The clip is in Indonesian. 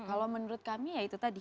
kalau menurut kami ya itu tadi